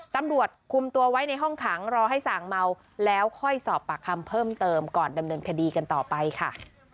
ตำรวจคุมตัวไว้ในห้องขังรอให้ส่างเมาแล้วค่อยสอบปากคำเพิ่มเติมก่อนดำเนินคดีกันต่อไปค่ะ